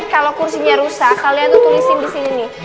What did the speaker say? kalau kursinya rusak kalian tuh tulisin disini nih